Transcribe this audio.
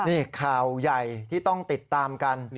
นี่ข่าวใหญ่ที่ต้องติดตามกัน